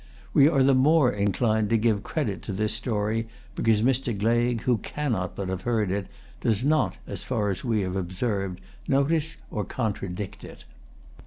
We are the more inclined to give credit to this story because Mr. Gleig, who cannot but have heard it, does not, as far as we have observed, notice or contradict it.